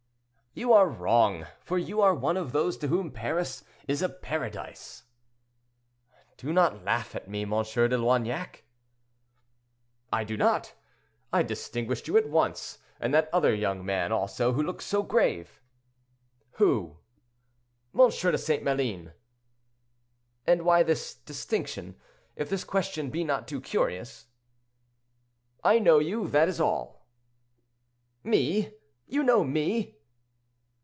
"You are wrong, for you are one of those to whom Paris is a paradise." "Do not laugh at me, M. de Loignac." "I do not; I distinguished you at once, and that other young man also who looks so grave." "Who?" "M. de St. Maline." "And why this distinction, if this question be not too curious?" "I know you, that is all." "Me! you know me?"